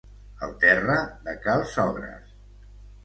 El terra de cals sogres.